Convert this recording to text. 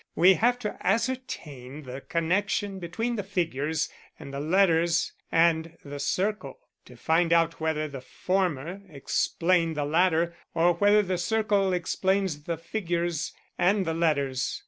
We have to ascertain the connection between the figures and the letters and the circle; to find out whether the former explain the latter or whether the circle explains the figures and the letters.